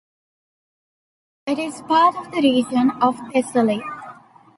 It is part of the region of Thessaly.